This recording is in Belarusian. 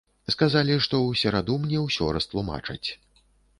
Сказалі, што ў сераду мне ўсё растлумачаць.